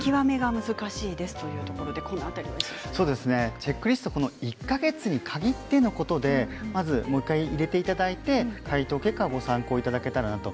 チェックリストはこの１か月に限ってのことで１回入れていただいて回答結果をご参考にしてください。